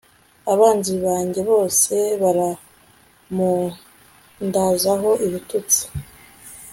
abanzi banjye bose barampundazaho ibitutsi